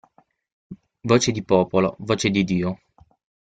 Voce di popolo, voce di Dio.